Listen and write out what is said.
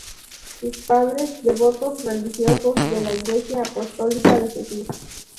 Sus padres, devotos religiosos de la Iglesia Apostólica de Jesús.